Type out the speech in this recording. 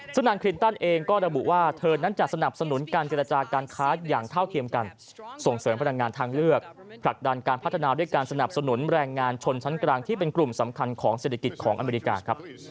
ซึ่งนางคลินตันเองก็ระบุว่าเธอนั้นจะสนับสนุนการเจรจาการค้าอย่างเท่าเทียมกันส่งเสริมพลังงานทางเลือกผลักดันการพัฒนาด้วยการสนับสนุนแรงงานชนชั้นกลางที่เป็นกลุ่มสำคัญของเศรษฐกิจของอเมริกาครับ